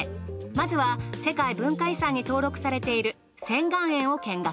まずは世界文化遺産に登録されている仙巌園を見学。